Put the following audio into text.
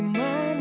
kamu eeran rehat